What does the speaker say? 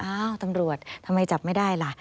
อ้าวตำรวจทำไมจับไม่ได้ล่ะ